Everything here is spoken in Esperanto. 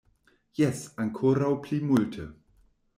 Jes, ankoraŭ pli multe.